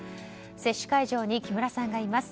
接種会場に木村さんがいます。